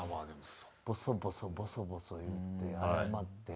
ボソボソボソボソ言うて謝って。